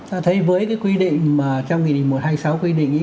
tôi thấy với cái quy định trong nghị định một trăm hai mươi sáu quy định